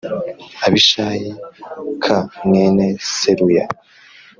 Abishayi k mwene Seruya